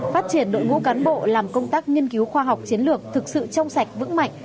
phát triển đội ngũ cán bộ làm công tác nghiên cứu khoa học chiến lược thực sự trong sạch vững mạnh